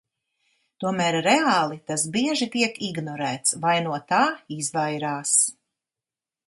Tomēr reāli tas bieži tiek ignorēts vai no tā izvairās.